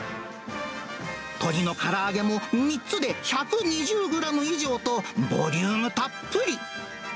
鶏のから揚げも３つで１２０グラム以上と、ボリュームたっぷり。